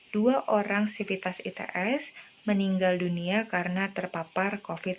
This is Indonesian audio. dua orang sivitas its meninggal dunia karena terpapar covid sembilan belas